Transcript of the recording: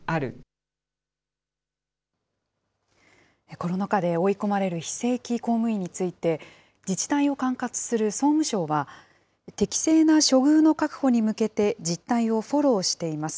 コロナ禍で追い込まれる非正規公務員について、自治体を管轄する総務省は、適正な処遇の確保に向けて、実態をフォローしています。